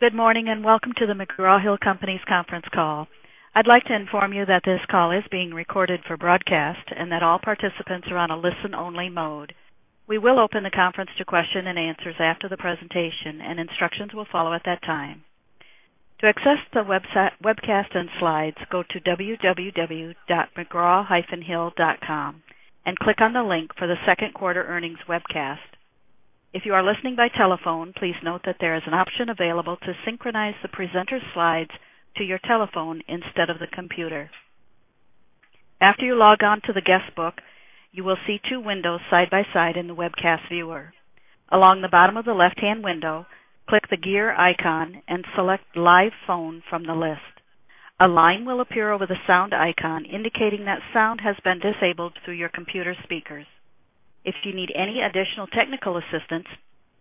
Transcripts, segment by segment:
Good morning, and welcome to The McGraw-Hill Companies conference call. I'd like to inform you that this call is being recorded for broadcast and that all participants are on a listen-only mode. We will open the conference to questions and answers after the presentation, and instructions will follow at that time. To access the webcast and slides, go to www.mcgraw-hill.com and click on the link for the second quarter earnings webcast. If you are listening by telephone, please note that there is an option available to synchronize the presenter's slides to your telephone instead of the computer. After you log on to the guest book, you will see two windows side by side in the webcast viewer. Along the bottom of the left-hand window, click the gear icon and select Live Phone from the list. A line will appear over the sound icon, indicating that sound has been disabled through your computer speakers. If you need any additional technical assistance,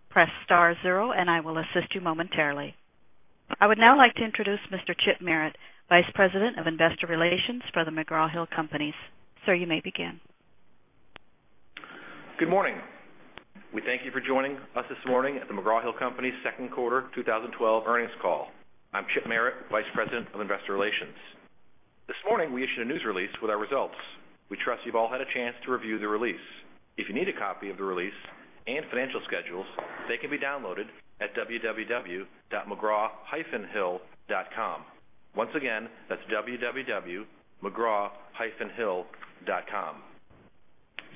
press *0, and I will assist you momentarily. I would now like to introduce Mr. Chip Merritt, Vice President of Investor Relations for The McGraw-Hill Companies. Sir, you may begin. Good morning. We thank you for joining us this morning at The McGraw-Hill Companies' second quarter 2012 earnings call. I'm Chip Merritt, Vice President of Investor Relations. This morning, we issued a news release with our results. We trust you've all had a chance to review the release. If you need a copy of the release and financial schedules, they can be downloaded at www.mcgraw-hill.com. Once again, that's www.mcgraw-hill.com.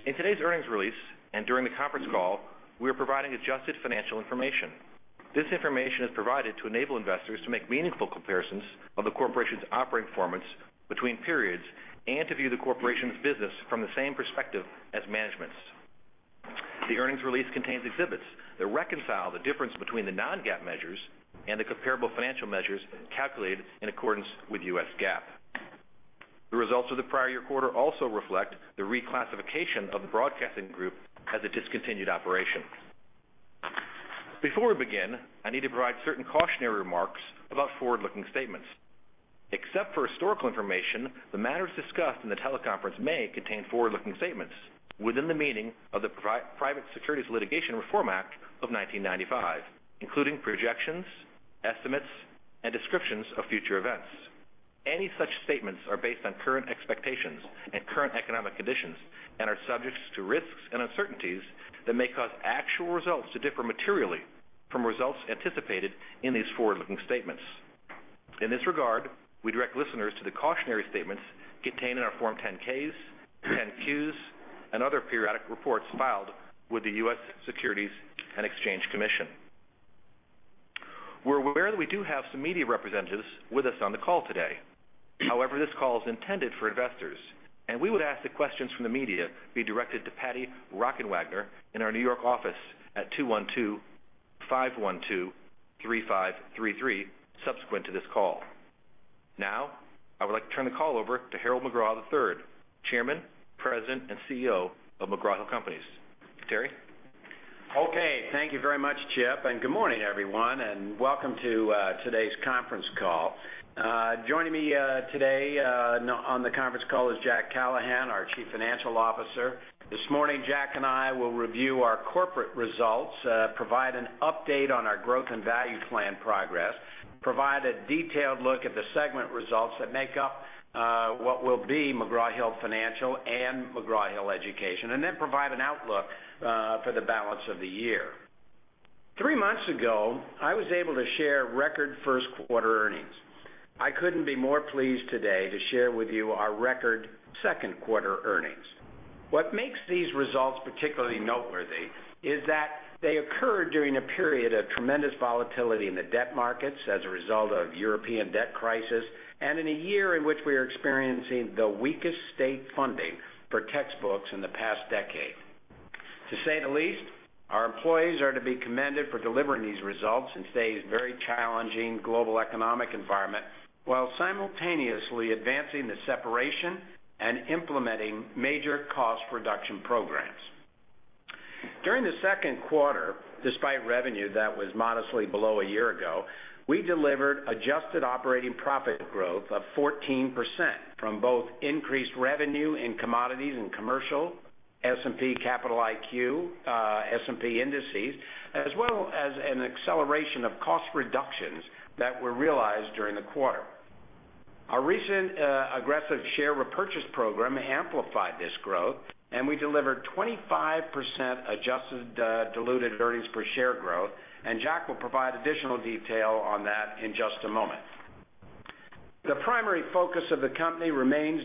In today's earnings release and during the conference call, we are providing adjusted financial information. This information is provided to enable investors to make meaningful comparisons of the corporation's operating performance between periods and to view the corporation's business from the same perspective as management's. The earnings release contains exhibits that reconcile the difference between the non-GAAP measures and the comparable financial measures calculated in accordance with US GAAP. The results of the prior year quarter also reflect the reclassification of the broadcasting group as a discontinued operation. Before we begin, I need to provide certain cautionary remarks about forward-looking statements. Except for historical information, the matters discussed in the teleconference may contain forward-looking statements within the meaning of the Private Securities Litigation Reform Act of 1995, including projections, estimates, and descriptions of future events. Any such statements are based on current expectations and current economic conditions and are subject to risks and uncertainties that may cause actual results to differ materially from results anticipated in these forward-looking statements. In this regard, we direct listeners to the cautionary statements contained in our Form 10-Ks, 10-Qs, and other periodic reports filed with the U.S. Securities and Exchange Commission. We're aware that we do have some media representatives with us on the call today. However, this call is intended for investors, and we would ask that questions from the media be directed to Patti Rockenwagner in our New York office at 212-512-3533 subsequent to this call. Now, I would like to turn the call over to Harold McGraw III, Chairman, President, and CEO of The McGraw-Hill Companies. Terry? Okay. Thank you very much, Chip, and good morning, everyone, and welcome to today's conference call. Joining me today on the conference call is Jack Callahan, our Chief Financial Officer. This morning, Jack and I will review our corporate results, provide an update on our growth and value plan progress, provide a detailed look at the segment results that make up what will be McGraw Hill Financial and McGraw-Hill Education, and then provide an outlook for the balance of the year. Three months ago, I was able to share record first-quarter earnings. I couldn't be more pleased today to share with you our record second-quarter earnings. What makes these results particularly noteworthy is that they occurred during a period of tremendous volatility in the debt markets as a result of European debt crisis and in a year in which we are experiencing the weakest state funding for textbooks in the past decade. To say the least, our employees are to be commended for delivering these results in today's very challenging global economic environment while simultaneously advancing the separation and implementing major cost reduction programs. During the second quarter, despite revenue that was modestly below a year ago, we delivered adjusted operating profit growth of 14% from both increased revenue in Commodities & Commercial, S&P Capital IQ, S&P Indices, as well as an acceleration of cost reductions that were realized during the quarter. Our recent aggressive share repurchase program amplified this growth, and we delivered 25% adjusted diluted earnings per share growth, and Jack will provide additional detail on that in just a moment. The primary focus of the company remains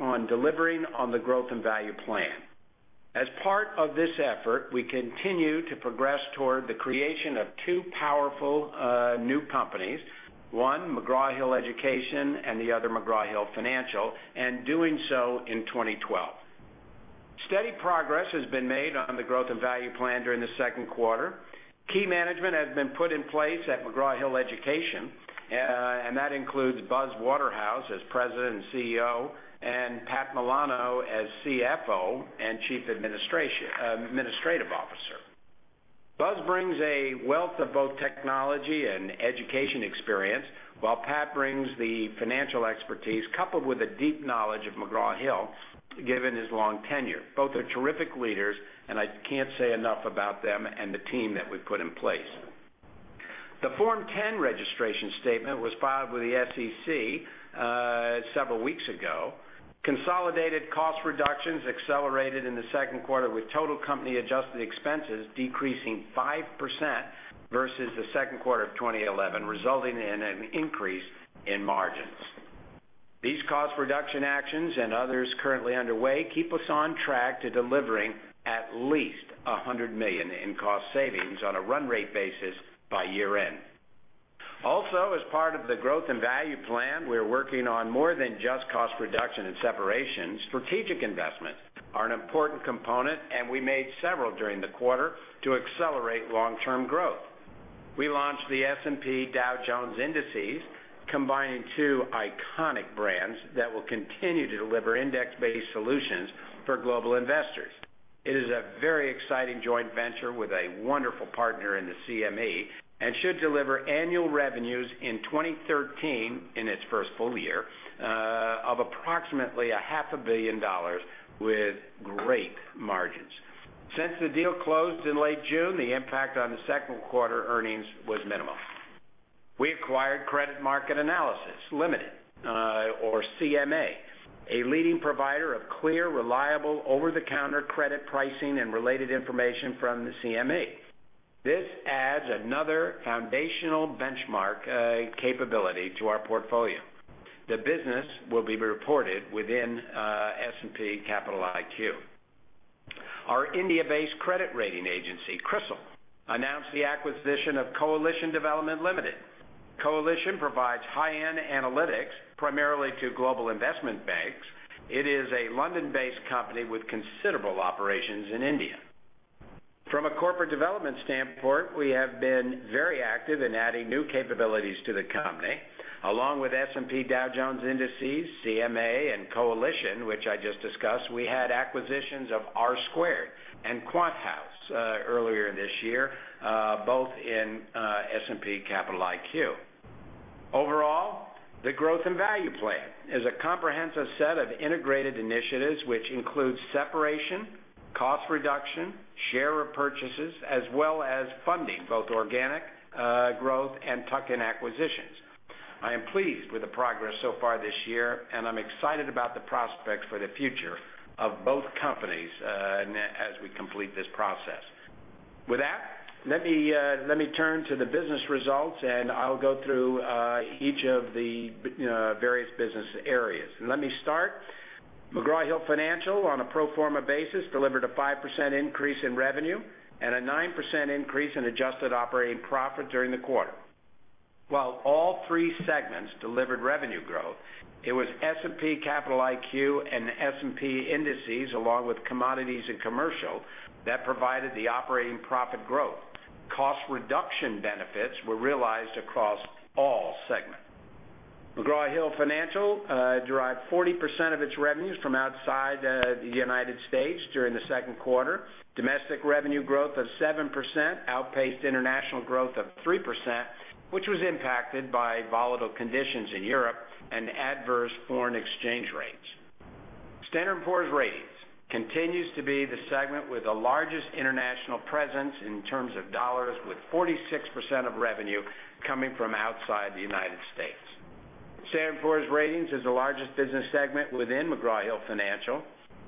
on delivering on the growth and value plan. As part of this effort, we continue to progress toward the creation of two powerful new companies, one, McGraw-Hill Education, and the other, McGraw Hill Financial, and doing so in 2012. Steady progress has been made on the growth and value plan during the second quarter. Key management has been put in place at McGraw-Hill Education, and that includes Buzz Waterhouse as President and CEO and Pat Milano as CFO and Chief Administrative Officer. Buzz brings a wealth of both technology and education experience, while Pat brings the financial expertise coupled with a deep knowledge of McGraw-Hill, given his long tenure. Both are terrific leaders, I can't say enough about them and the team that we've put in place. The Form 10 registration statement was filed with the SEC several weeks ago. Consolidated cost reductions accelerated in the second quarter, with total company adjusted expenses decreasing 5% versus the second quarter of 2011, resulting in an increase in margins. These cost reduction actions and others currently underway keep us on track to delivering at least $100 million in cost savings on a run rate basis by year end. As part of the growth and value plan, we're working on more than just cost reduction and separations. Strategic investments are an important component, and we made several during the quarter to accelerate long-term growth. We launched the S&P Dow Jones Indices, combining two iconic brands that will continue to deliver index-based solutions for global investors. It is a very exciting joint venture with a wonderful partner in the CME and should deliver annual revenues in 2013, in its first full year, of approximately a half a billion dollars with great margins. Since the deal closed in late June, the impact on the second quarter earnings was minimal. We acquired Credit Market Analysis Limited, or CMA, a leading provider of clear, reliable, over-the-counter credit pricing and related information from the CMA. This adds another foundational benchmark capability to our portfolio. The business will be reported within S&P Capital IQ. Our India-based credit rating agency, CRISIL, announced the acquisition of Coalition Development Limited. Coalition provides high-end analytics primarily to global investment banks. It is a London-based company with considerable operations in India. From a corporate development standpoint, we have been very active in adding new capabilities to the company. Along with S&P Dow Jones Indices, CMA, and Coalition, which I just discussed, we had acquisitions of R2 and QuantHouse earlier this year, both in S&P Capital IQ. The growth and value plan is a comprehensive set of integrated initiatives which includes separation, cost reduction, share repurchases, as well as funding, both organic growth and tuck-in acquisitions. I am pleased with the progress so far this year, I'm excited about the prospects for the future of both companies as we complete this process. Let me turn to the business results, I'll go through each of the various business areas. Let me start. McGraw Hill Financial, on a pro forma basis, delivered a 5% increase in revenue and a 9% increase in adjusted operating profit during the quarter. All three segments delivered revenue growth, it was S&P Capital IQ and S&P Indices, along with Commodities & Commercial, that provided the operating profit growth. Cost reduction benefits were realized across all segments. McGraw Hill Financial derived 40% of its revenues from outside the U.S. during the second quarter. Domestic revenue growth of 7% outpaced international growth of 3%, which was impacted by volatile conditions in Europe and adverse foreign exchange rates. Standard & Poor's Ratings continues to be the segment with the largest international presence in terms of dollars, with 46% of revenue coming from outside the U.S. Standard & Poor's Ratings is the largest business segment within McGraw Hill Financial.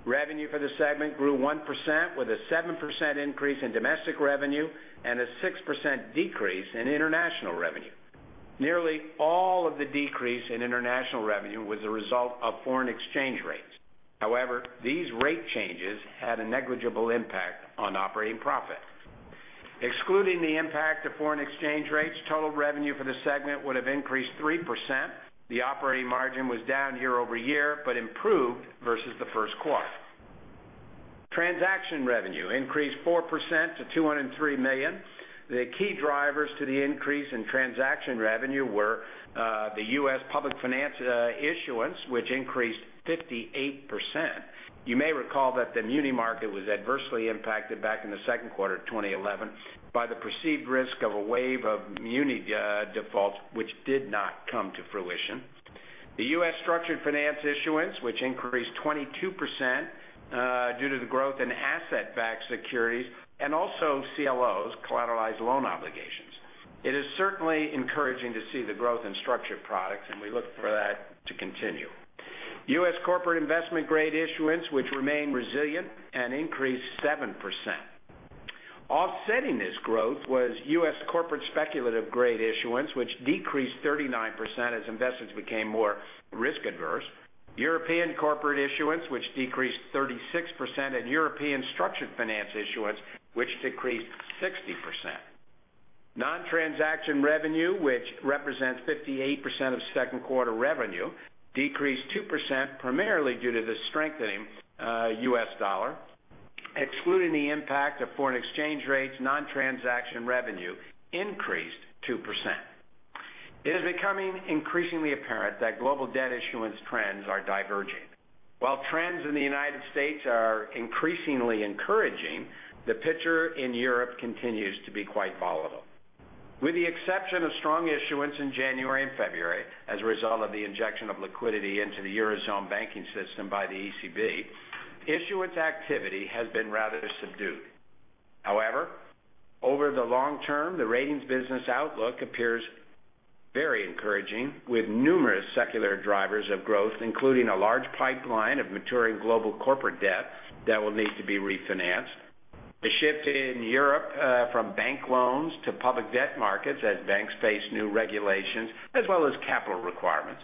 Revenue for the segment grew 1%, with a 7% increase in domestic revenue and a 6% decrease in international revenue. Nearly all of the decrease in international revenue was a result of foreign exchange rates. However, these rate changes had a negligible impact on operating profit. Excluding the impact of foreign exchange rates, total revenue for the segment would have increased 3%. The operating margin was down year-over-year but improved versus the first quarter. Transaction revenue increased 4% to $203 million. The key drivers to the increase in transaction revenue were the U.S. public finance issuance, which increased 58%. You may recall that the muni market was adversely impacted back in the second quarter of 2011 by the perceived risk of a wave of muni defaults, which did not come to fruition. The U.S. structured finance issuance, which increased 22% due to the growth in asset-backed securities and also CLOs, collateralized loan obligations. It is certainly encouraging to see the growth in structured products, and we look for that to continue. U.S. corporate investment-grade issuance, which remained resilient and increased 7%. Offsetting this growth was U.S. corporate speculative-grade issuance, which decreased 39% as investments became more risk adverse, European corporate issuance, which decreased 36%, and European structured finance issuance, which decreased 60%. Non-transaction revenue, which represents 58% of second quarter revenue, decreased 2%, primarily due to the strengthening U.S. dollar. Excluding the impact of foreign exchange rates, non-transaction revenue increased 2%. It is becoming increasingly apparent that global debt issuance trends are diverging. While trends in the United States are increasingly encouraging, the picture in Europe continues to be quite volatile. With the exception of strong issuance in January and February as a result of the injection of liquidity into the Eurozone banking system by the ECB. Issuance activity has been rather subdued. Over the long term, the ratings business outlook appears very encouraging with numerous secular drivers of growth, including a large pipeline of maturing global corporate debt that will need to be refinanced, the shift in Europe from bank loans to public debt markets as banks face new regulations, as well as capital requirements,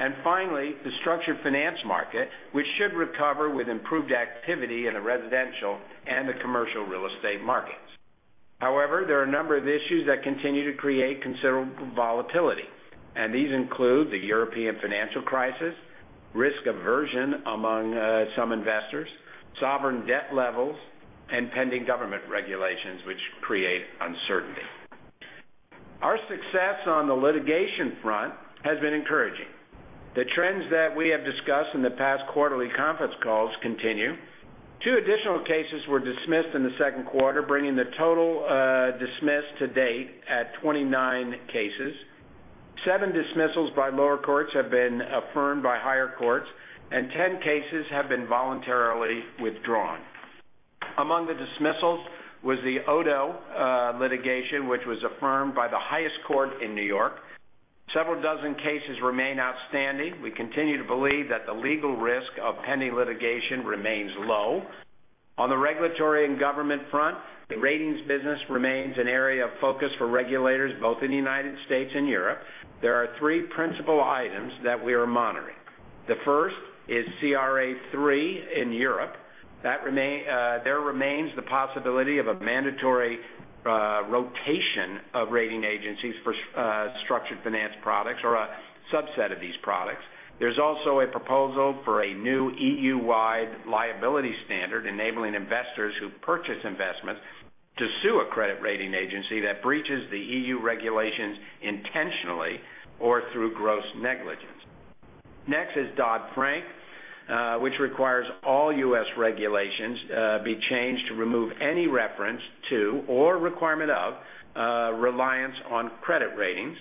and finally, the structured finance market, which should recover with improved activity in the residential and the commercial real estate markets. There are a number of issues that continue to create considerable volatility, and these include the European financial crisis, risk aversion among some investors, sovereign debt levels, and pending government regulations, which create uncertainty. Our success on the litigation front has been encouraging. The trends that we have discussed in the past quarterly conference calls continue. Two additional cases were dismissed in the second quarter, bringing the total dismiss to date at 29 cases. Seven dismissals by lower courts have been affirmed by higher courts, and 10 cases have been voluntarily withdrawn. Among the dismissals was the Abu Dhabi litigation, which was affirmed by the highest court in New York. Several dozen cases remain outstanding. We continue to believe that the legal risk of pending litigation remains low. On the regulatory and government front, the ratings business remains an area of focus for regulators both in the United States and Europe. There are three principal items that we are monitoring. The first is CRA III in Europe. There remains the possibility of a mandatory rotation of rating agencies for structured finance products or a subset of these products. There's also a proposal for a new EU-wide liability standard, enabling investors who purchase investments to sue a credit rating agency that breaches the EU regulations intentionally or through gross negligence. Next is Dodd-Frank, which requires all U.S. regulations be changed to remove any reference to or requirement of reliance on credit ratings.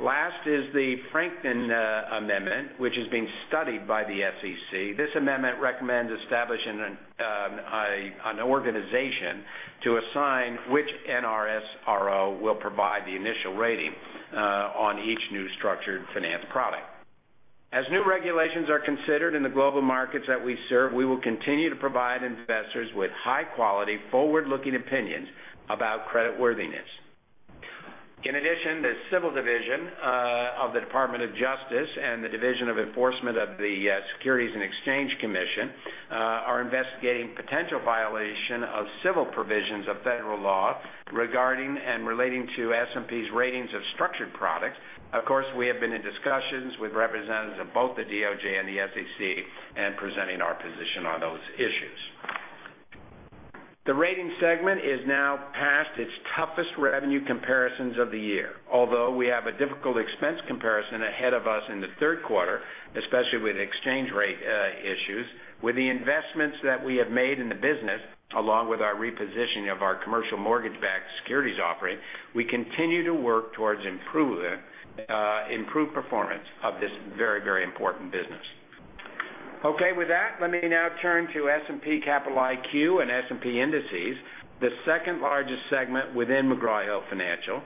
Last is the Franken Amendment, which is being studied by the SEC. This amendment recommends establishing an organization to assign which NRSRO will provide the initial rating on each new structured finance product. As new regulations are considered in the global markets that we serve, we will continue to provide investors with high-quality, forward-looking opinions about creditworthiness. In addition, the Civil Division of the Department of Justice and the Division of Enforcement of the Securities and Exchange Commission are investigating potential violation of civil provisions of federal law regarding and relating to S&P's ratings of structured products. Of course, we have been in discussions with representatives of both the DOJ and the SEC and presenting our position on those issues. The ratings segment is now past its toughest revenue comparisons of the year. Although we have a difficult expense comparison ahead of us in the third quarter, especially with exchange rate issues, with the investments that we have made in the business, along with our repositioning of our commercial mortgage-backed securities offering, we continue to work towards improved performance of this very important business. Okay. With that, let me now turn to S&P Capital IQ and S&P Indices, the second-largest segment within McGraw Hill Financial.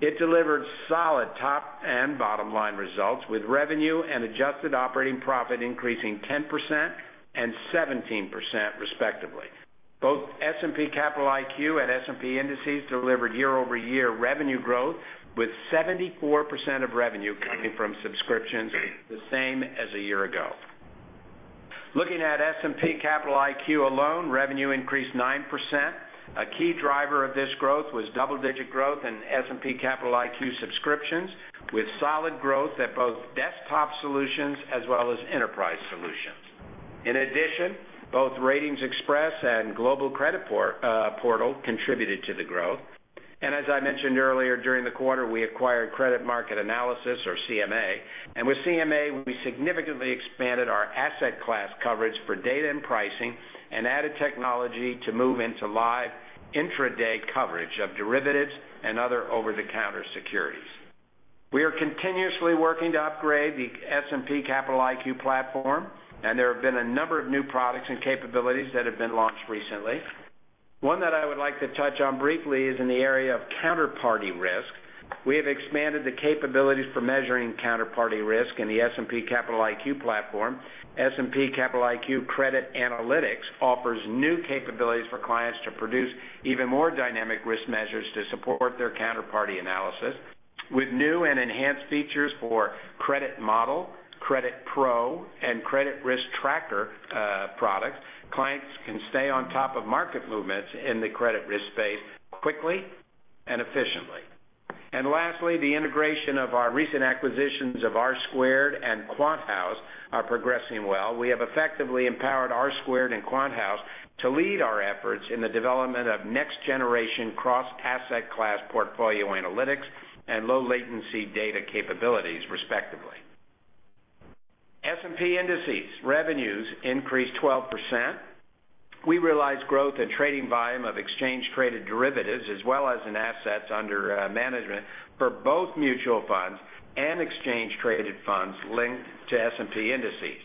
It delivered solid top and bottom-line results with revenue and adjusted operating profit increasing 10% and 17%, respectively. Both S&P Capital IQ and S&P Indices delivered year-over-year revenue growth with 74% of revenue coming from subscriptions, the same as a year ago. Looking at S&P Capital IQ alone, revenue increased 9%. A key driver of this growth was double-digit growth in S&P Capital IQ subscriptions, with solid growth at both desktop solutions as well as enterprise solutions. In addition, both RatingsXpress and Global Credit Portal contributed to the growth. As I mentioned earlier, during the quarter, we acquired Credit Market Analysis, or CMA, and with CMA, we significantly expanded our asset class coverage for data and pricing and added technology to move into live intraday coverage of derivatives and other over-the-counter securities. We are continuously working to upgrade the S&P Capital IQ platform, and there have been a number of new products and capabilities that have been launched recently. One that I would like to touch on briefly is in the area of counterparty risk. We have expanded the capabilities for measuring counterparty risk in the S&P Capital IQ platform. S&P Capital IQ Credit Analytics offers new capabilities for clients to produce even more dynamic risk measures to support their counterparty analysis. With new and enhanced features for CreditModel, CreditPro, and Credit Risk Tracker products, clients can stay on top of market movements in the credit risk space quickly and efficiently. Lastly, the integration of our recent acquisitions of R-squared and QuantHouse are progressing well. We have effectively empowered R-squared and QuantHouse to lead our efforts in the development of next-generation cross-asset class portfolio analytics and low-latency data capabilities, respectively. S&P Indices revenues increased 12%. We realized growth in trading volume of exchange-traded derivatives as well as in assets under management for both mutual funds and exchange-traded funds linked to S&P Indices.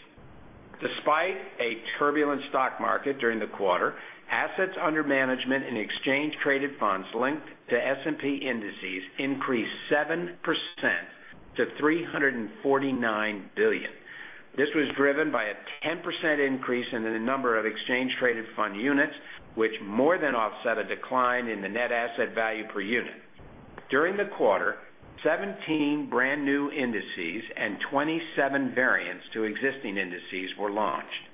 Despite a turbulent stock market during the quarter, assets under management in exchange-traded funds linked to S&P Indices increased 7% to $349 billion. This was driven by a 10% increase in the number of exchange-traded fund units, which more than offset a decline in the net asset value per unit. During the quarter, 17 brand new indices and 27 variants to existing indices were launched.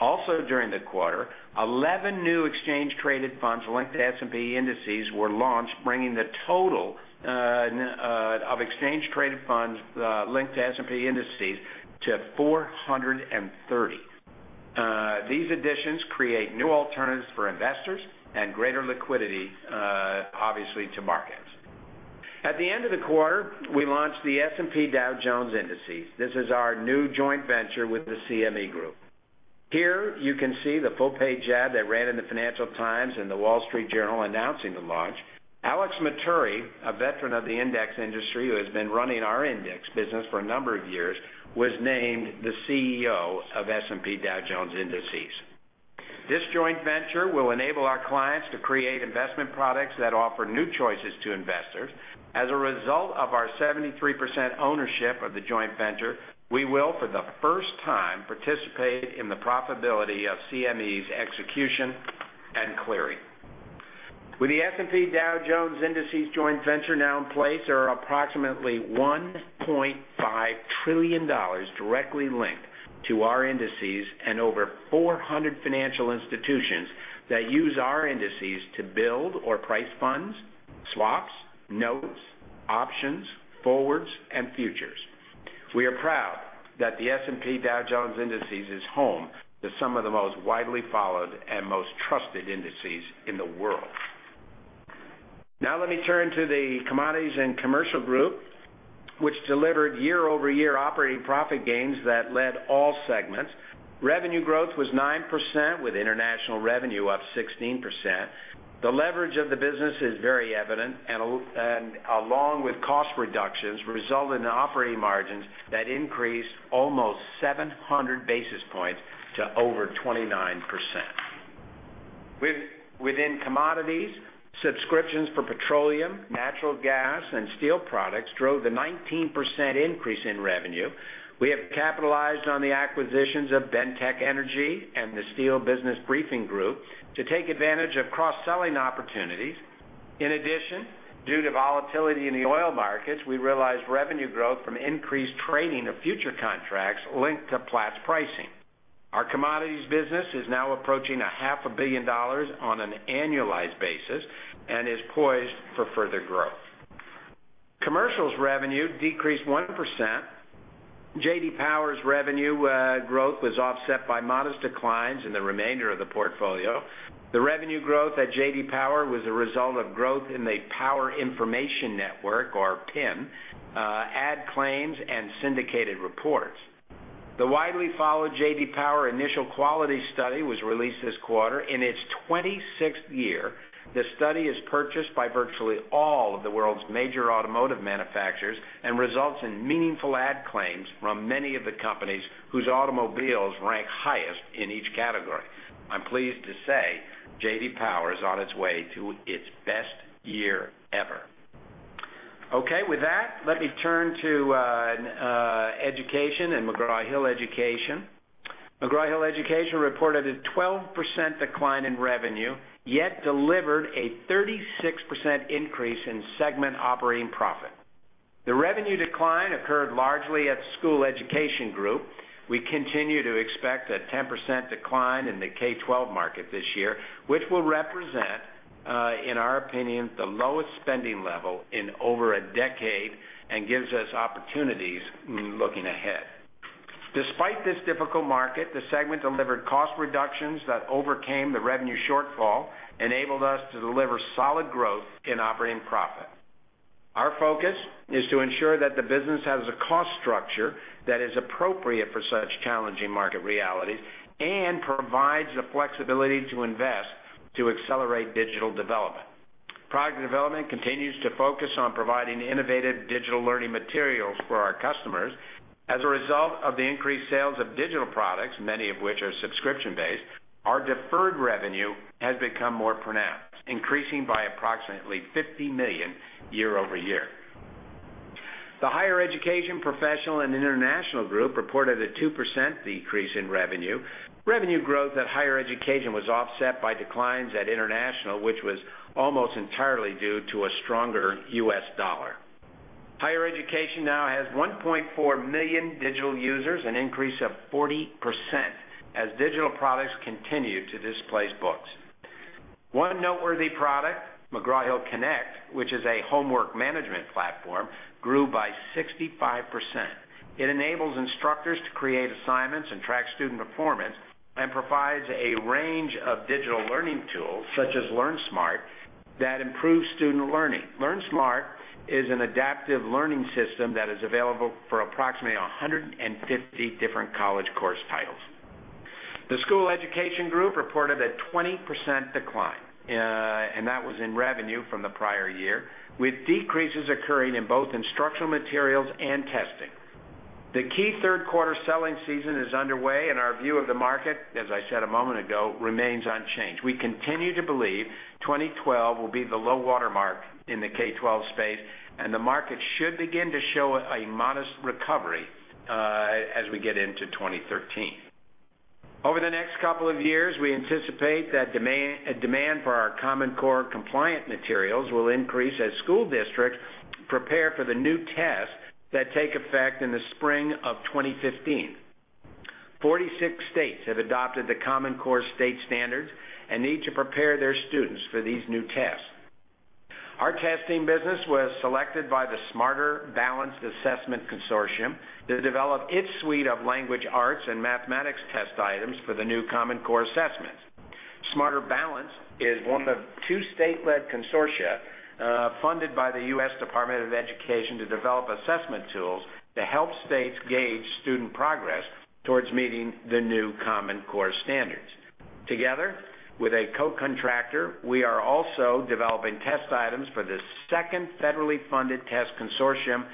Also during the quarter, 11 new exchange-traded funds linked to S&P Indices were launched, bringing the total of exchange-traded funds linked to S&P Indices to 430. These additions create new alternatives for investors and greater liquidity, obviously, to markets. At the end of the quarter, we launched the S&P Dow Jones Indices. This is our new joint venture with the CME Group. Here, you can see the full-page ad that ran in the Financial Times and The Wall Street Journal announcing the launch. Alex Matturri, a veteran of the index industry, who has been running our index business for a number of years, was named the CEO of S&P Dow Jones Indices. This joint venture will enable our clients to create investment products that offer new choices to investors. As a result of our 73% ownership of the joint venture, we will, for the first time, participate in the profitability of CME's execution and clearing. With the S&P Dow Jones Indices joint venture now in place, there are approximately $1.5 trillion directly linked to our indices and over 400 financial institutions that use our indices to build or price funds, swaps, notes, options, forwards, and futures. We are proud that the S&P Dow Jones Indices is home to some of the most widely followed and most trusted indices in the world. Now let me turn to the Commodities & Commercial, which delivered year-over-year operating profit gains that led all segments. Revenue growth was 9%, with international revenue up 16%. The leverage of the business is very evident and, along with cost reductions, result in operating margins that increased almost 700 basis points to over 29%. Within Commodities, subscriptions for petroleum, natural gas, and steel products drove the 19% increase in revenue. We have capitalized on the acquisitions of BENTEK Energy and the Steel Business Briefing group to take advantage of cross-selling opportunities. In addition, due to volatility in the oil markets, we realized revenue growth from increased trading of future contracts linked to Platts pricing. Our commodities business is now approaching a half a billion dollars on an annualized basis and is poised for further growth. Commercials revenue decreased 1%. J.D. Power's revenue growth was offset by modest declines in the remainder of the portfolio. The revenue growth at J.D. Power was a result of growth in the Power Information Network, or PIN, ad claims, and syndicated reports. The widely followed J.D. Power Initial Quality Study was released this quarter. In its 26th year, the study is purchased by virtually all of the world's major automotive manufacturers and results in meaningful ad claims from many of the companies whose automobiles rank highest in each category. I'm pleased to say J.D. Power is on its way to its best year ever. Okay. With that, let me turn to Education and McGraw-Hill Education. McGraw-Hill Education reported a 12% decline in revenue, yet delivered a 36% increase in segment operating profit. The revenue decline occurred largely at School Education Group. We continue to expect a 10% decline in the K-12 market this year, which will represent, in our opinion, the lowest spending level in over a decade and gives us opportunities looking ahead. Despite this difficult market, the segment delivered cost reductions that overcame the revenue shortfall, enabled us to deliver solid growth in operating profit. Our focus is to ensure that the business has a cost structure that is appropriate for such challenging market realities and provides the flexibility to invest to accelerate digital development. Product development continues to focus on providing innovative digital learning materials for our customers. As a result of the increased sales of digital products, many of which are subscription-based, our deferred revenue has become more pronounced, increasing by approximately $50 million year-over-year. The Higher Education, Professional, and International Group reported a 2% decrease in revenue. Revenue growth at Higher Education was offset by declines at International, which was almost entirely due to a stronger U.S. dollar. Higher Education now has 1.4 million digital users, an increase of 40%, as digital products continue to displace books. One noteworthy product, McGraw Hill Connect, which is a homework management platform, grew by 65%. It enables instructors to create assignments and track student performance and provides a range of digital learning tools, such as LearnSmart, that improve student learning. LearnSmart is an adaptive learning system that is available for approximately 150 different college course titles. The School Education group reported a 20% decline, and that was in revenue from the prior year, with decreases occurring in both instructional materials and testing. The key third-quarter selling season is underway, and our view of the market, as I said a moment ago, remains unchanged. We continue to believe 2012 will be the low water mark in the K-12 space, and the market should begin to show a modest recovery as we get into 2013. Over the next couple of years, we anticipate that demand for our Common Core compliant materials will increase as school districts prepare for the new tests that take effect in the spring of 2015. 46 states have adopted the Common Core State Standards and need to prepare their students for these new tests. Our testing business was selected by the Smarter Balanced Assessment Consortium to develop its suite of language arts and mathematics test items for the new Common Core assessments. Smarter Balanced is one of two state-led consortia funded by the U.S. Department of Education to develop assessment tools to help states gauge student progress towards meeting the new Common Core standards. Together with a co-contractor, we are also developing test items for the second federally funded test consortium,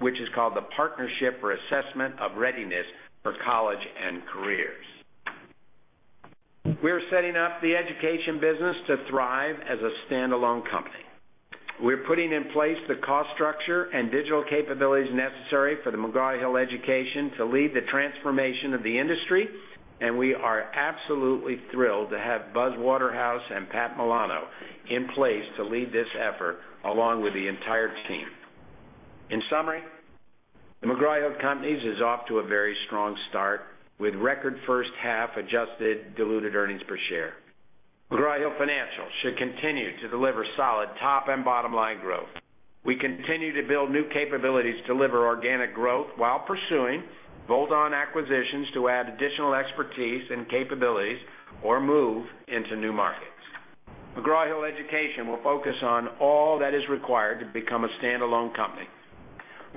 which is called the Partnership for Assessment of Readiness for College and Careers. We're setting up the education business to thrive as a standalone company. We're putting in place the cost structure and digital capabilities necessary for McGraw-Hill Education to lead the transformation of the industry, and we are absolutely thrilled to have Buzz Waterhouse and Pat Milano in place to lead this effort along with the entire team. In summary, The McGraw-Hill Companies is off to a very strong start with record first half adjusted diluted earnings per share. McGraw Hill Financial should continue to deliver solid top and bottom-line growth. We continue to build new capabilities to deliver organic growth while pursuing bolt-on acquisitions to add additional expertise and capabilities or move into new markets. McGraw-Hill Education will focus on all that is required to become a standalone company.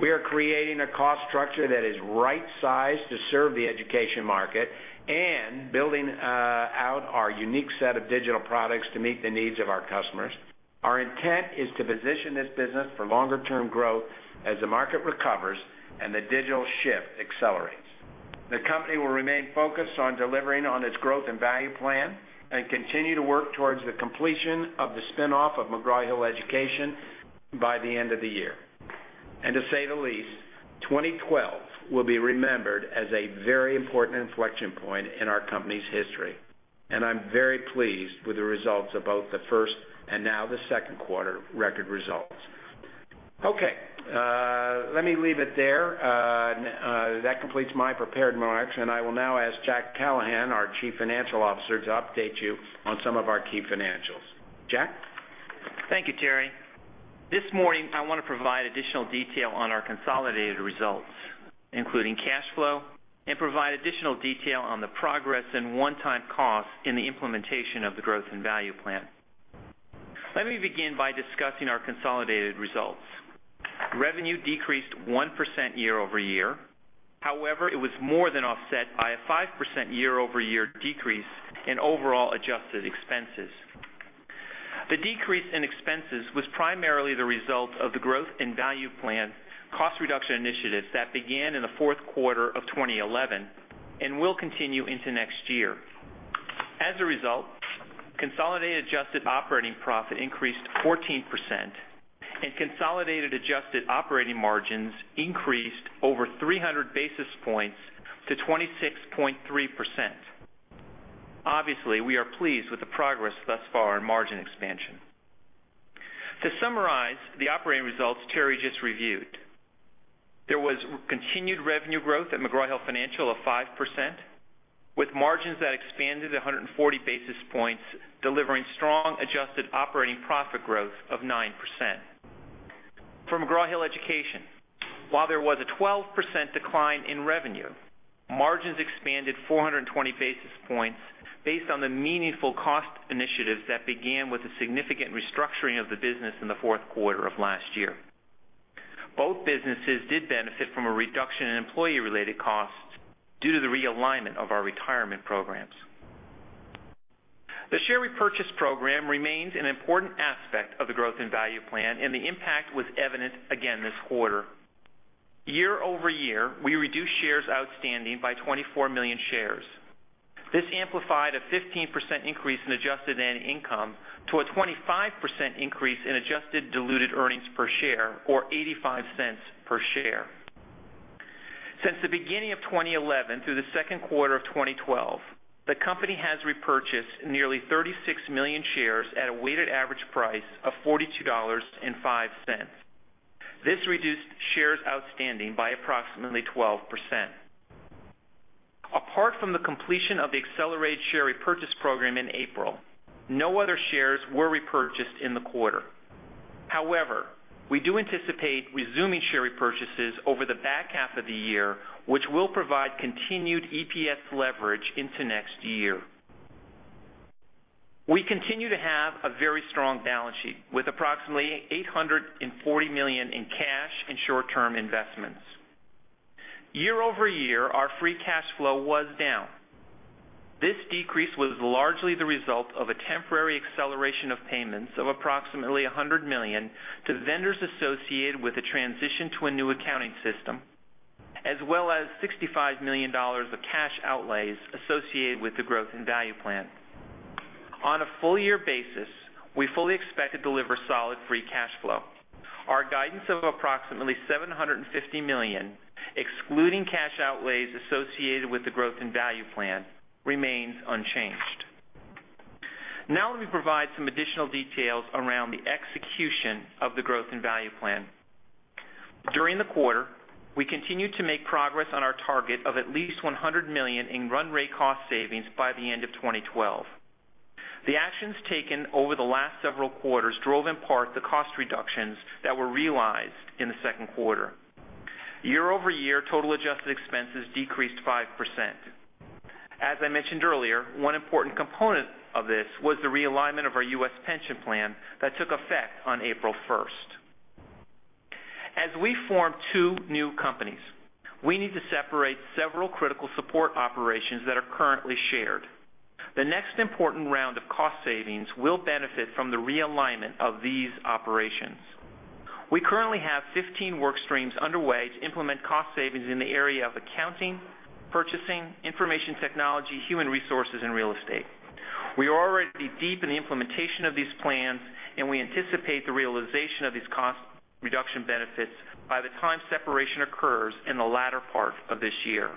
We are creating a cost structure that is right-sized to serve the education market and building out our unique set of digital products to meet the needs of our customers. Our intent is to position this business for longer-term growth as the market recovers and the digital shift accelerates. The company will remain focused on delivering on its growth and value plan and continue to work towards the completion of the spinoff of McGraw-Hill Education by the end of the year. To say the least, 2012 will be remembered as a very important inflection point in our company's history, and I'm very pleased with the results of both the first and now the second quarter record results. Okay, let me leave it there. That completes my prepared remarks. I will now ask Jack Callahan, our Chief Financial Officer, to update you on some of our key financials. Jack? Thank you, Terry. This morning, I want to provide additional detail on our consolidated results, including cash flow, and provide additional detail on the progress and one-time costs in the implementation of the growth and value plan. Let me begin by discussing our consolidated results. Revenue decreased 1% year-over-year. However, it was more than offset by a 5% year-over-year decrease in overall adjusted expenses. The decrease in expenses was primarily the result of the growth and value plan cost reduction initiatives that began in the fourth quarter of 2011 and will continue into next year. As a result, consolidated adjusted operating profit increased 14% and consolidated adjusted operating margins increased over 300 basis points to 26.3%. Obviously, we are pleased with the progress thus far in margin expansion. To summarize the operating results Terry just reviewed, there was continued revenue growth at McGraw Hill Financial of 5% with margins that expanded 140 basis points, delivering strong adjusted operating profit growth of 9%. For McGraw-Hill Education, while there was a 12% decline in revenue, margins expanded 420 basis points based on the meaningful cost initiatives that began with a significant restructuring of the business in the fourth quarter of last year. Both businesses did benefit from a reduction in employee-related costs due to the realignment of our retirement programs. The share repurchase program remains an important aspect of the growth and value plan, the impact was evident again this quarter. Year-over-year, we reduced shares outstanding by 24 million shares. This amplified a 15% increase in adjusted net income to a 25% increase in adjusted diluted earnings per share or $0.85 per share. Since the beginning of 2011 through the second quarter of 2012, the company has repurchased nearly 36 million shares at a weighted average price of $42.05. This reduced shares outstanding by approximately 12%. Apart from the completion of the accelerated share repurchase program in April, no other shares were repurchased in the quarter. We do anticipate resuming share repurchases over the back half of the year, which will provide continued EPS leverage into next year. We continue to have a very strong balance sheet with approximately $840 million in cash and short-term investments. Year-over-year, our free cash flow was down. This decrease was largely the result of a temporary acceleration of payments of approximately $100 million to vendors associated with the transition to a new accounting system, as well as $65 million of cash outlays associated with the growth and value plan. On a full year basis, we fully expect to deliver solid free cash flow. Our guidance of approximately $750 million, excluding cash outlays associated with the growth and value plan, remains unchanged. Let me provide some additional details around the execution of the growth and value plan. During the quarter, we continued to make progress on our target of at least $100 million in run rate cost savings by the end of 2012. The actions taken over the last several quarters drove in part the cost reductions that were realized in the second quarter. Year-over-year total adjusted expenses decreased 5%. As I mentioned earlier, one important component of this was the realignment of our U.S. pension plan that took effect on April 1st. As we form two new companies, we need to separate several critical support operations that are currently shared. The next important round of cost savings will benefit from the realignment of these operations. We currently have 15 work streams underway to implement cost savings in the area of accounting, purchasing, information technology, human resources, and real estate. We are already deep in the implementation of these plans, and we anticipate the realization of these cost reduction benefits by the time separation occurs in the latter part of this year.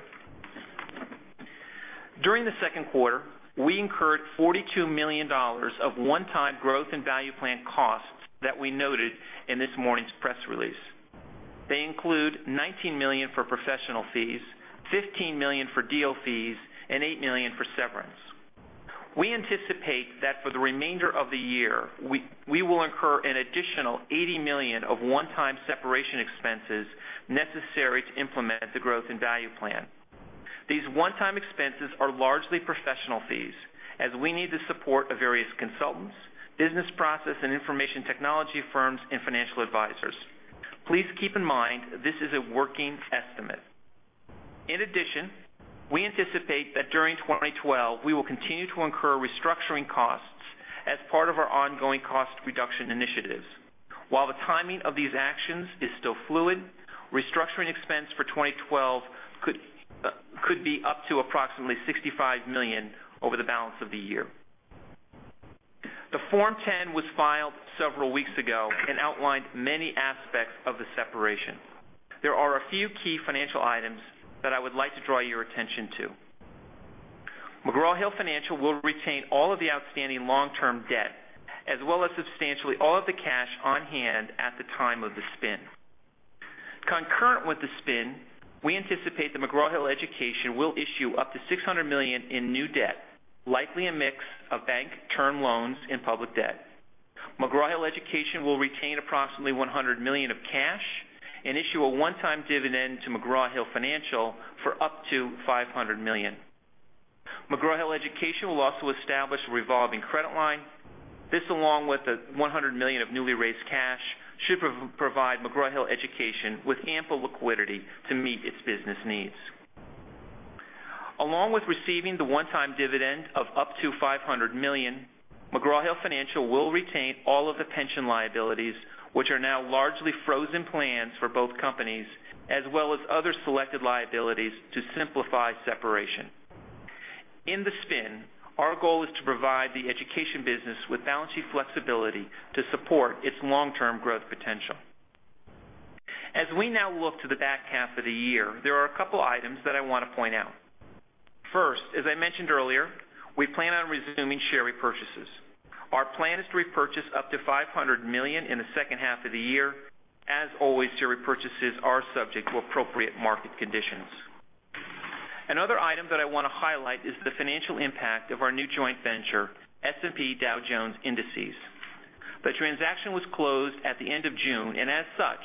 During the second quarter, we incurred $42 million of one-time growth and value plan costs that we noted in this morning's press release. They include $19 million for professional fees, $15 million for deal fees, and $8 million for severance. We anticipate that for the remainder of the year, we will incur an additional $80 million of one-time separation expenses necessary to implement the growth and value plan. These one-time expenses are largely professional fees, as we need the support of various consultants, business process and information technology firms, and financial advisors. Please keep in mind, this is a working estimate. In addition, we anticipate that during 2012, we will continue to incur restructuring costs as part of our ongoing cost reduction initiatives. While the timing of these actions is still fluid, restructuring expense for 2012 could be up to approximately $65 million over the balance of the year. The Form 10 was filed several weeks ago and outlined many aspects of the separation. There are a few key financial items that I would like to draw your attention to. McGraw Hill Financial will retain all of the outstanding long-term debt, as well as substantially all of the cash on hand at the time of the spin. Concurrent with the spin, we anticipate that McGraw-Hill Education will issue up to $600 million in new debt, likely a mix of bank term loans and public debt. McGraw-Hill Education will retain approximately $100 million of cash and issue a one-time dividend to McGraw Hill Financial for up to $500 million. McGraw-Hill Education will also establish a revolving credit line. This, along with the $100 million of newly raised cash, should provide McGraw-Hill Education with ample liquidity to meet its business needs. Along with receiving the one-time dividend of up to $500 million, McGraw Hill Financial will retain all of the pension liabilities, which are now largely frozen plans for both companies, as well as other selected liabilities to simplify separation. In the spin, our goal is to provide the education business with balance sheet flexibility to support its long-term growth potential. As we now look to the back half of the year, there are a couple items that I want to point out. First, as I mentioned earlier, we plan on resuming share repurchases. Our plan is to repurchase up to $500 million in the second half of the year. As always, share repurchases are subject to appropriate market conditions. Another item that I want to highlight is the financial impact of our new joint venture, S&P Dow Jones Indices. The transaction was closed at the end of June, and as such,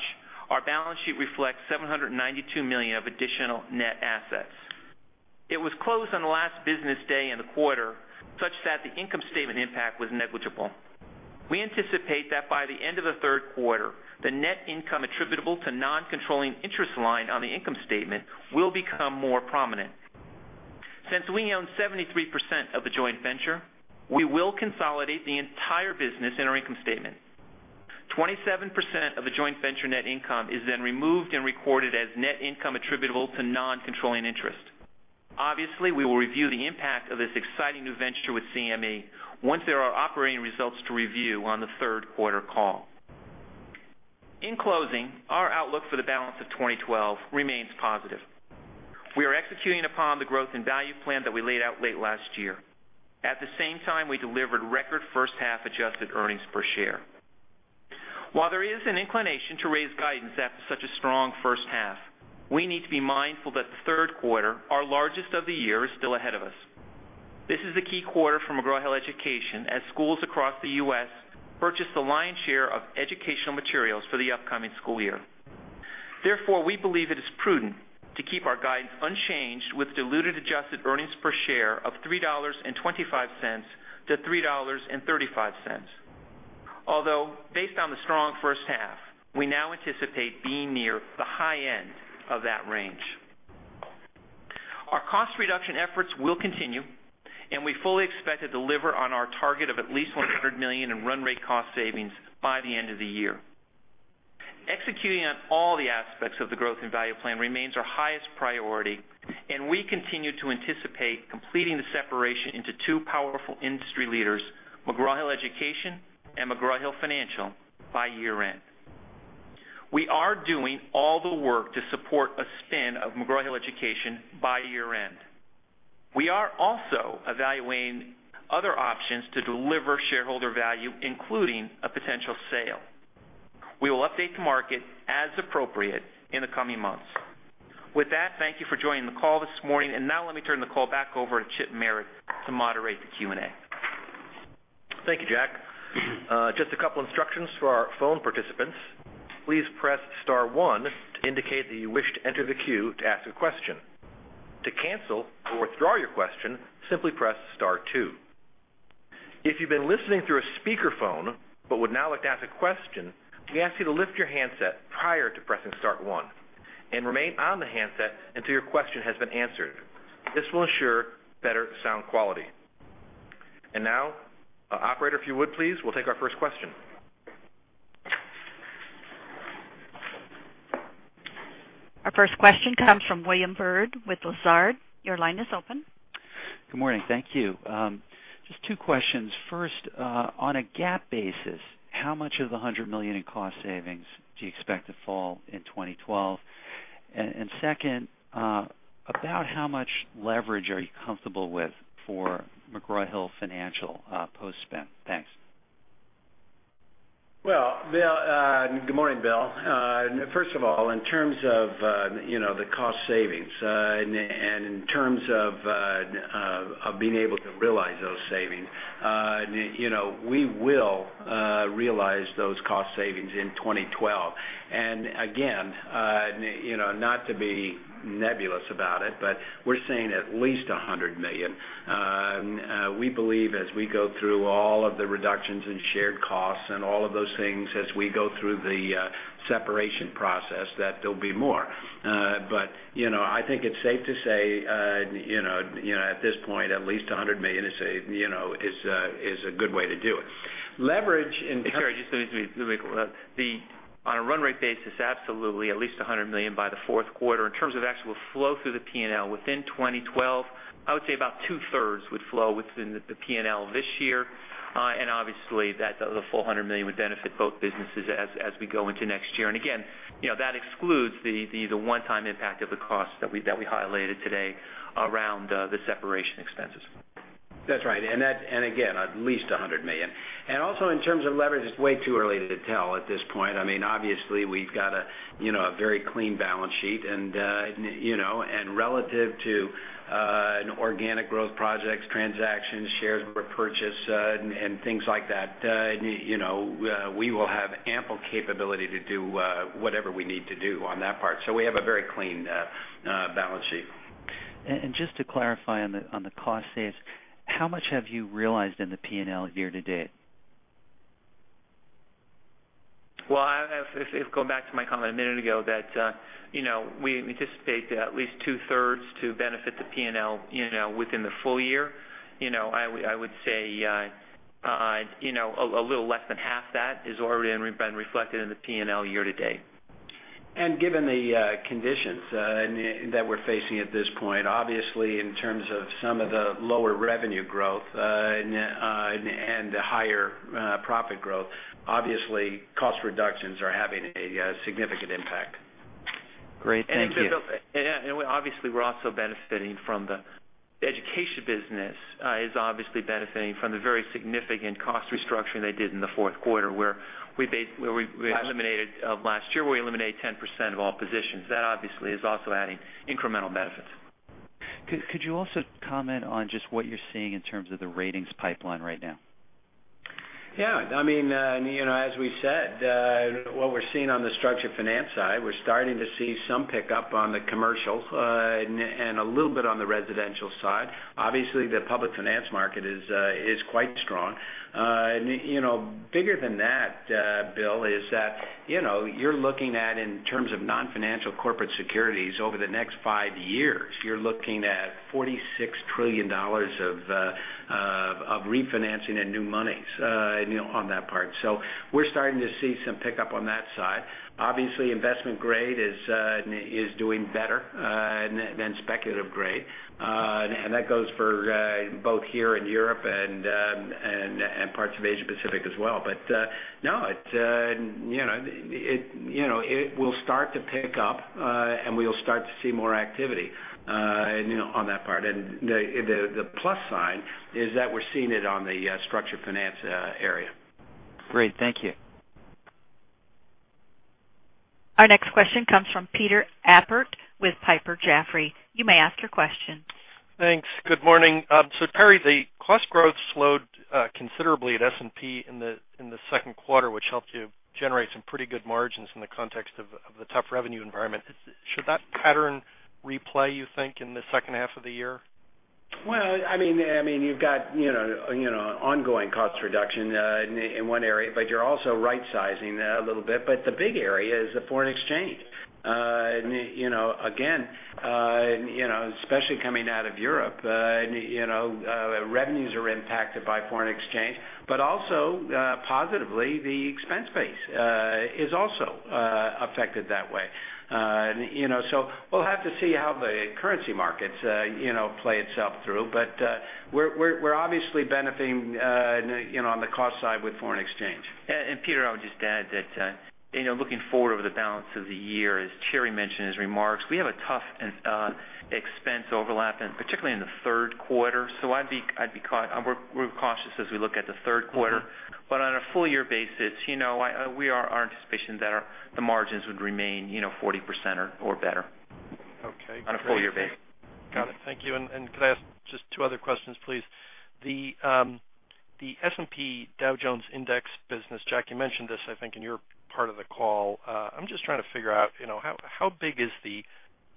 our balance sheet reflects $792 million of additional net assets. It was closed on the last business day in the quarter, such that the income statement impact was negligible. We anticipate that by the end of the third quarter, the net income attributable to non-controlling interest line on the income statement will become more prominent. Since we own 73% of the joint venture, we will consolidate the entire business in our income statement. 27% of the joint venture net income is then removed and recorded as net income attributable to non-controlling interest. Obviously, we will review the impact of this exciting new venture with CME once there are operating results to review on the third quarter call. In closing, our outlook for the balance of 2012 remains positive. We are executing upon the growth and value plan that we laid out late last year. At the same time, we delivered record first half adjusted earnings per share. While there is an inclination to raise guidance after such a strong first half, we need to be mindful that the third quarter, our largest of the year, is still ahead of us. This is a key quarter for McGraw-Hill Education as schools across the U.S. purchase the lion's share of educational materials for the upcoming school year. Therefore, we believe it is prudent to keep our guidance unchanged with diluted adjusted earnings per share of $3.25-$3.35. Although, based on the strong first half, we now anticipate being near the high end of that range. Our cost reduction efforts will continue, and we fully expect to deliver on our target of at least $100 million in run rate cost savings by the end of the year. Executing on all the aspects of the growth in value plan remains our highest priority, and we continue to anticipate completing the separation into two powerful industry leaders, McGraw-Hill Education and McGraw Hill Financial, by year-end. We are doing all the work to support a spin of McGraw-Hill Education by year-end. We are also evaluating other options to deliver shareholder value, including a potential sale. We will update the market as appropriate in the coming months. With that, thank you for joining the call this morning. Now let me turn the call back over to Chip Merritt to moderate the Q&A. Thank you, Jack. Just a couple instructions for our phone participants. Please press star one to indicate that you wish to enter the queue to ask a question. To cancel or withdraw your question, simply press star two. If you've been listening through a speakerphone but would now like to ask a question, we ask you to lift your handset prior to pressing star one and remain on the handset until your question has been answered. This will ensure better sound quality. Now, operator, if you would, please, we'll take our first question. Our first question comes from William Bird with Lazard. Your line is open. Good morning. Thank you. Just two questions. First, on a GAAP basis, how much of the $100 million in cost savings do you expect to fall in 2012? Second, about how much leverage are you comfortable with for McGraw Hill Financial post-spin? Thanks. Well, good morning, Bill. First of all, in terms of the cost savings, in terms of being able to realize those savings, we will realize those cost savings in 2012. Again, not to be nebulous about it, but we're saying at least $100 million. We believe as we go through all of the reductions in shared costs and all of those things, as we go through the separation process, that there'll be more. I think it's safe to say at this point, at least $100 million is a good way to do it. Leverage on a run rate basis, absolutely, at least $100 million by the fourth quarter. In terms of actual flow through the P&L within 2012, I would say about two-thirds would flow within the P&L this year. Obviously, the full $100 million would benefit both businesses as we go into next year. Again, that excludes the one-time impact of the costs that we highlighted today around the separation expenses. That's right. Again, at least $100 million. Also in terms of leverage, it's way too early to tell at this point. Obviously, we've got a very clean balance sheet and relative to organic growth projects, transactions, shares repurchased, and things like that, we will have ample capability to do whatever we need to do on that part. We have a very clean balance sheet. Just to clarify on the cost saves, how much have you realized in the P&L year to date? Well, if going back to my comment a minute ago that we anticipate at least two-thirds to benefit the P&L within the full year. I would say a little less than half that has already been reflected in the P&L year to date. Given the conditions that we're facing at this point, obviously in terms of some of the lower revenue growth and the higher profit growth, obviously cost reductions are having a significant impact. Great. Thank you. Obviously, we're also benefiting from the education business, is obviously benefiting from the very significant cost restructuring they did in the fourth quarter of last year, where we eliminated 10% of all positions. That obviously is also adding incremental benefits. Could you also comment on just what you're seeing in terms of the ratings pipeline right now? Yeah. As we said, what we're seeing on the structured finance side, we're starting to see some pickup on the commercial and a little bit on the residential side. Obviously, the public finance market is quite strong. Bigger than that, Bill, is that you're looking at in terms of non-financial corporate securities over the next five years, you're looking at $46 trillion of refinancing and new monies on that part. We're starting to see some pickup on that side. Obviously, investment grade is doing better than speculative grade. That goes for both here in Europe and parts of Asia Pacific as well. No, it will start to pick up, and we'll start to see more activity on that part. The plus sign is that we're seeing it on the structured finance area. Great. Thank you. Our next question comes from Peter Appert with Piper Jaffray. You may ask your question. Thanks. Good morning. Terry, the cost growth slowed considerably at S&P in the second quarter, which helped you generate some pretty good margins in the context of the tough revenue environment. Should that pattern replay, you think, in the second half of the year? Well, you've got ongoing cost reduction in one area, you're also right-sizing a little bit. The big area is the foreign exchange. Again, especially coming out of Europe, revenues are impacted by foreign exchange, also, positively, the expense base is also affected that way. We'll have to see how the currency markets play itself through. We're obviously benefiting on the cost side with foreign exchange. Peter, I would just add that, looking forward over the balance of the year, as Terry mentioned in his remarks, we have a tough expense overlap, particularly in the third quarter. We're cautious as we look at the third quarter. On a full year basis, our anticipation is that the margins would remain 40% or better. Okay, great. On a full year basis. Got it. Thank you. Could I ask just two other questions, please? The S&P Dow Jones Index business, Jack, you mentioned this, I think, in your part of the call. I'm just trying to figure out how big is the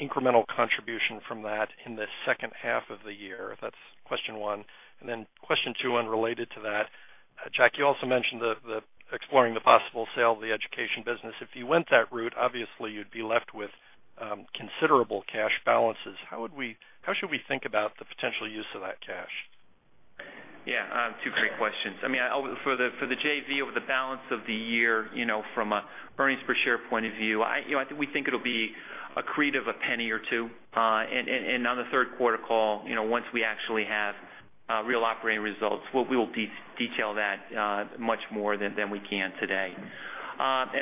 incremental contribution from that in the second half of the year? That's question one. Question two, unrelated to that, Jack, you also mentioned exploring the possible sale of the Education business. If you went that route, obviously you'd be left with considerable cash balances. How should we think about the potential use of that cash? Two great questions. For the JV, over the balance of the year, from an earnings per share point of view, we think it'll be accretive a $0.01 or $0.02. On the third quarter call, once we actually have real operating results, we will detail that much more than we can today. I'll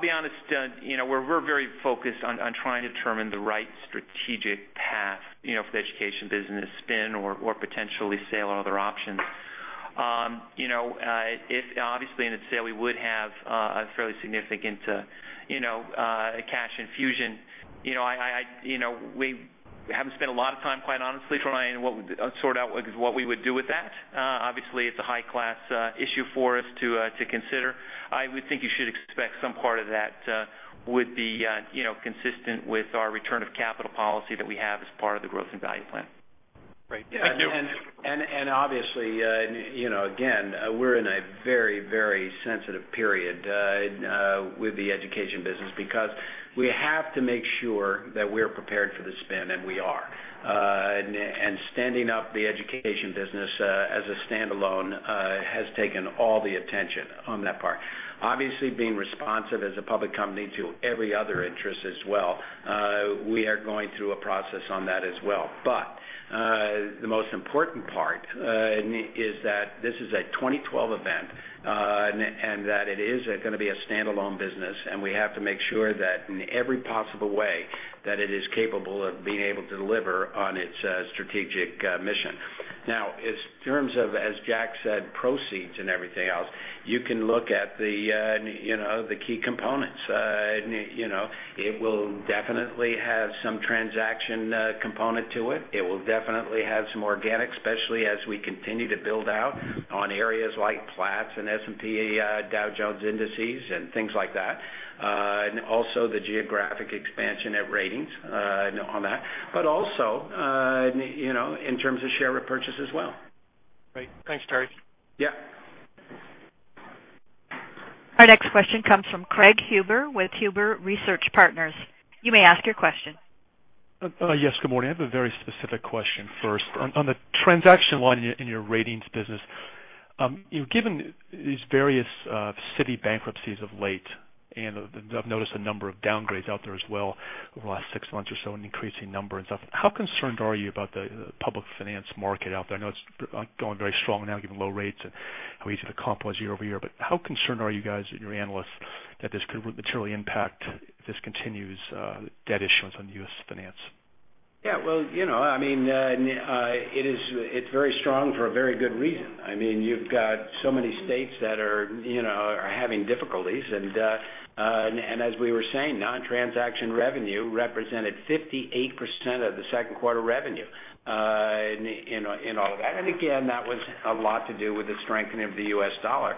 be honest, we're very focused on trying to determine the right strategic path for the Education business spin or potentially sale or other options. Obviously, in a sale, we would have a fairly significant cash infusion. We haven't spent a lot of time, quite honestly, trying to sort out what we would do with that. Obviously, it's a high-class issue for us to consider. I would think you should expect some part of that would be consistent with our return of capital policy that we have as part of the growth and value plan. Great. Thank you. Obviously, again, we're in a very sensitive period with the education business because we have to make sure that we're prepared for the spin, and we are. Standing up the education business as a standalone has taken all the attention on that part. Obviously, being responsive as a public company to every other interest as well, we are going through a process on that as well. The most important part is that this is a 2012 event, and that it is going to be a standalone business, and we have to make sure that in every possible way, that it is capable of being able to deliver on its strategic mission. In terms of, as Jack said, proceeds and everything else, you can look at the key components. It will definitely have some transaction component to it. It will definitely have some organic, especially as we continue to build out on areas like Platts and S&P Dow Jones Indices and things like that, and also the geographic expansion at ratings on that. Also, in terms of share repurchase as well. Great. Thanks, Terry. Yeah. Our next question comes from Craig Huber with Huber Research Partners. You may ask your question. Yes, good morning. I have a very specific question first. On the transaction line in your ratings business, given these various city bankruptcies of late, and I've noticed a number of downgrades out there as well over the last six months or so, an increasing number and stuff, how concerned are you about the public finance market out there? I know it's going very strong now, given low rates and how easy to accomplish year-over-year, but how concerned are you guys and your analysts that this could materially impact, if this continues, debt issuance on U.S. finance? Yeah. Well, it's very strong for a very good reason. You've got so many states that are having difficulties, and as we were saying, non-transaction revenue represented 58% of the second quarter revenue in all of that. Again, that was a lot to do with the strengthening of the U.S. dollar.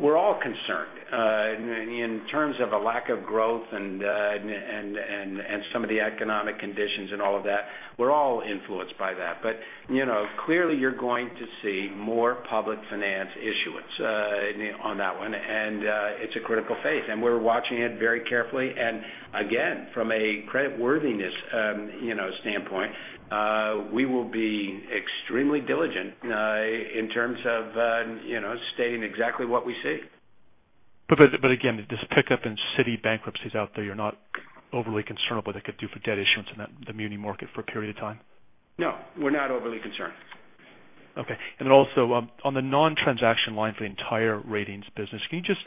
We're all concerned. In terms of a lack of growth and some of the economic conditions and all of that, we're all influenced by that. Clearly, you're going to see more public finance issuance on that one, and it's a critical phase, and we're watching it very carefully. Again, from a creditworthiness standpoint, we will be extremely diligent in terms of stating exactly what we see. Again, this pickup in city bankruptcies out there, you're not overly concerned about what they could do for debt issuance in the muni market for a period of time? No, we're not overly concerned. Okay. Also, on the non-transaction line for the entire ratings business, can you just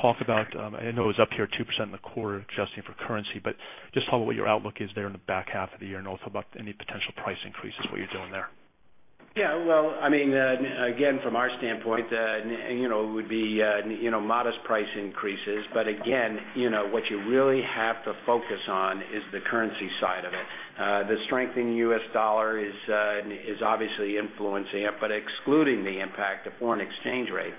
talk about I know it was up here 2% in the quarter, adjusting for currency, but just talk about what your outlook is there in the back half of the year, and also about any potential price increases, what you're doing there. Yeah. Well, from our standpoint, it would be modest price increases. Again, what you really have to focus on is the currency side of it. The strengthening U.S. dollar is obviously influencing it. Excluding the impact of foreign exchange rate,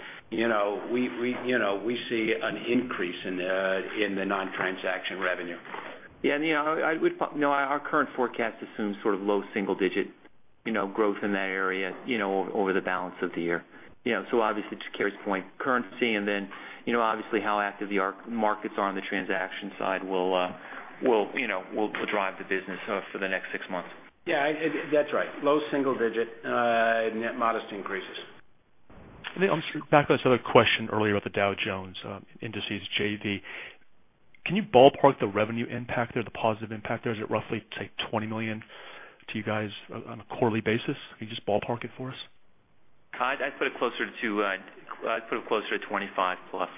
we see an increase in the non-transaction revenue. Yeah. Our current forecast assumes low single-digit growth in that area over the balance of the year. Obviously, to Terry's point, currency and then obviously how active the markets are on the transaction side will drive the business for the next six months. Yeah. That's right. Low single-digit net modest increases. Back to this other question earlier about the Dow Jones indices, JV. Can you ballpark the revenue impact there, the positive impact there? Is it roughly, say, $20 million to you guys on a quarterly basis? Can you just ballpark it for us? I'd put it closer to $25-plus.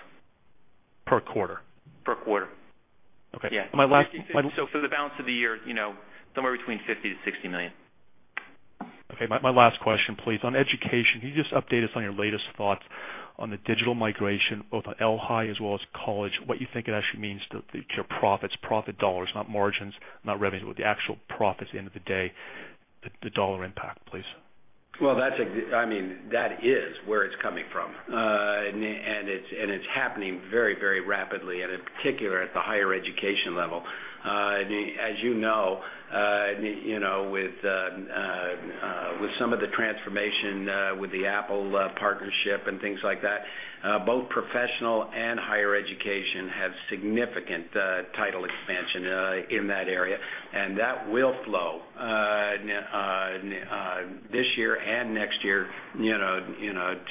Per quarter? Per quarter. Okay. Yeah. My last- For the balance of the year, somewhere between $50 million-$60 million. Okay. My last question, please. On education, can you just update us on your latest thoughts on the digital migration, both on El-Hi as well as college, what you think it actually means to your profits, profit dollars, not margins, not revenue, but the actual profits at the end of the day, the dollar impact, please. Well, that is where it's coming from. It's happening very rapidly, and in particular, at the higher education level. As you know, with some of the transformation with the Apple partnership and things like that, both professional and higher education have significant title expansion in that area, and that will flow this year and next year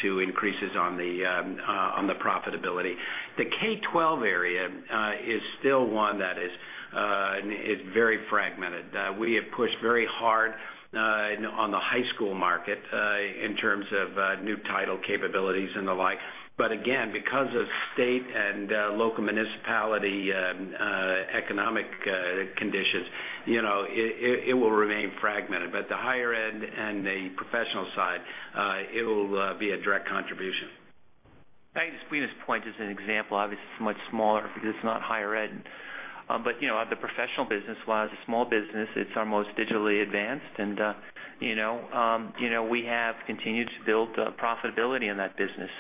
to increases on the profitability. The K-12 area is still one that is very fragmented. We have pushed very hard on the high school market in terms of new title capabilities and the like. Again, because of state and local municipality economic conditions, it will remain fragmented. The higher ed and the professional side, it'll be a direct contribution. I think just to point as an example, obviously, it's much smaller because it's not higher ed. The professional business, while it's a small business, it's our most digitally advanced, and we have continued to build profitability in that business.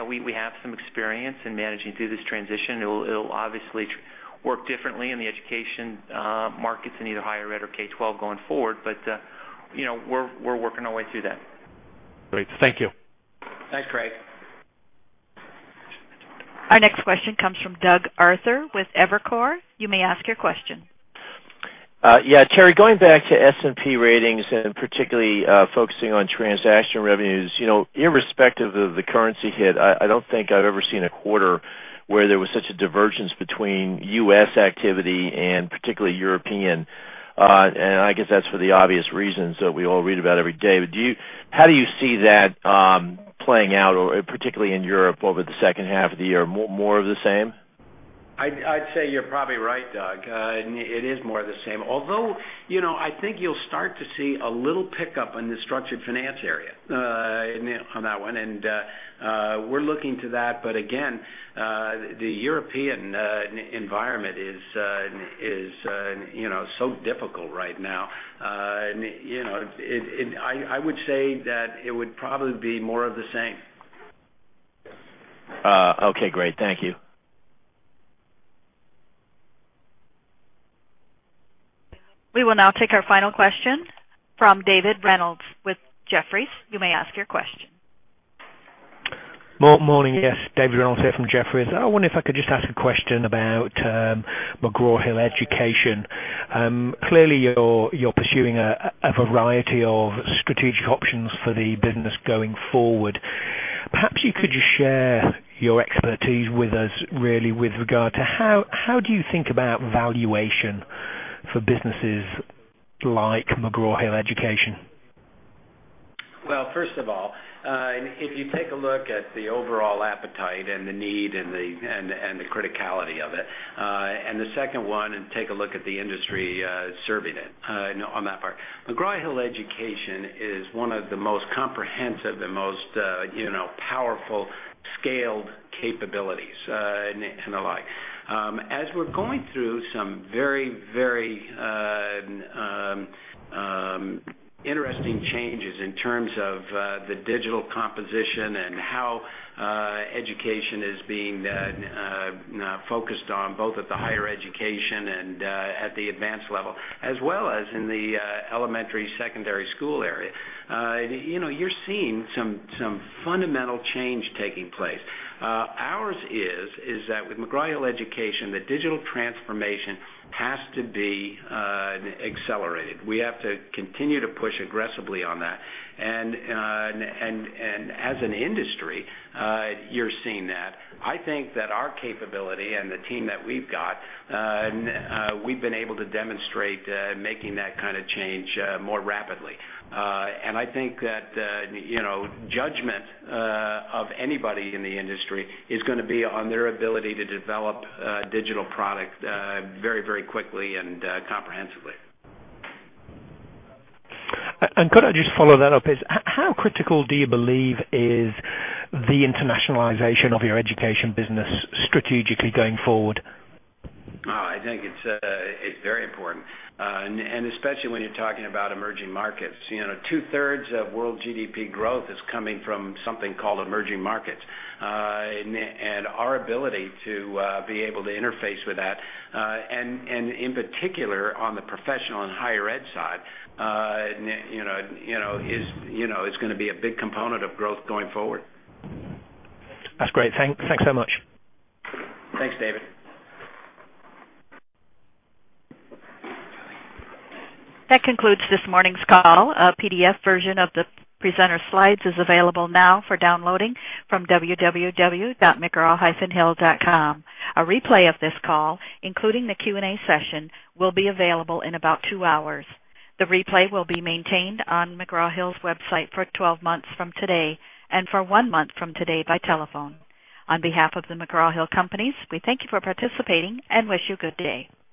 We have some experience in managing through this transition. It'll obviously work differently in the education markets in either higher ed or K-12 going forward. We're working our way through that. Great. Thank you. Thanks, Craig. Our next question comes from Douglas Arthur with Evercore. You may ask your question. Yeah. Terry, going back to S&P Ratings and particularly focusing on transaction revenues, irrespective of the currency hit, I don't think I've ever seen a quarter where there was such a divergence between U.S. activity and particularly European. I guess that's for the obvious reasons that we all read about every day. How do you see that playing out, particularly in Europe over the second half of the year? More of the same? I'd say you're probably right, Doug. It is more of the same. I think you'll start to see a little pickup in the structured finance area on that one, and we're looking to that. Again, the European environment is so difficult right now. I would say that it would probably be more of the same. Okay, great. Thank you. We will now take our final question from David Reynolds with Jefferies. You may ask your question. Morning. Yes, David Reynolds here from Jefferies. I wonder if I could just ask a question about McGraw-Hill Education. Clearly, you're pursuing a variety of strategic options for the business going forward. Perhaps you could just share your expertise with us really with regard to how do you think about valuation for businesses like McGraw-Hill Education? Well, first of all, if you take a look at the overall appetite and the need and the criticality of it, and the second one, and take a look at the industry serving it on that part. McGraw-Hill Education is one of the most comprehensive, the most powerful, scaled capabilities and the like. As we're going through some very interesting changes in terms of the digital composition and how education is being focused on both at the higher education and at the advanced level, as well as in the elementary, secondary school area. You're seeing some fundamental change taking place. Ours is that with McGraw-Hill Education, the digital transformation has to be accelerated. We have to continue to push aggressively on that. As an industry, you're seeing that. I think that our capability and the team that we've got, we've been able to demonstrate making that kind of change more rapidly. I think that judgment of anybody in the industry is going to be on their ability to develop digital product very quickly and comprehensively. Could I just follow that up, please? How critical do you believe is the internationalization of your education business strategically going forward? I think it's very important, especially when you're talking about emerging markets. Two-thirds of world GDP growth is coming from something called emerging markets. Our ability to be able to interface with that, in particular, on the professional and higher ed side is going to be a big component of growth going forward. That's great. Thanks so much. Thanks, David. That concludes this morning's call. A PDF version of the presenter slides is available now for downloading from www.mcgraw-hill.com. A replay of this call, including the Q&A session, will be available in about two hours. The replay will be maintained on McGraw Hill's website for 12 months from today and for one month from today by telephone. On behalf of The McGraw-Hill Companies, we thank you for participating and wish you good day.